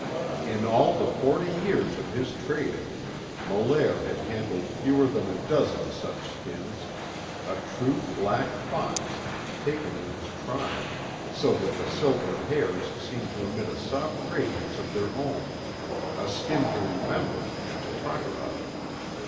In all the forty years of his trading Molaire had handled fewer than a dozen such skins a true black fox, taken in its prime, so that the silvered hairs seemed to emit a soft radiance of their own a skin to remember, and to talk about.